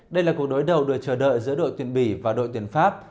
đây là cuộc đối đầu được chờ đợi giữa đội tuyển bỉ và đội tuyển pháp